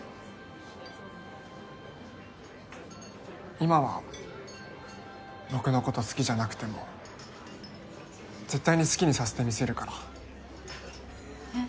今は僕のこと好きじゃなくても絶対に好きにさせてみせるからえっ？